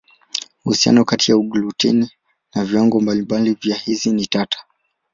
Uhusiano kati ya gluteni na viwango mbalimbali vya hisi ni tata.